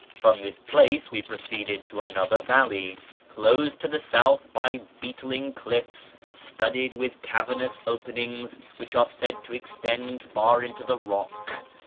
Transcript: From this place we proceeded to another valley, closed to the south by beetling cliffs studded with cavernous openings which are said to extend far into the rock.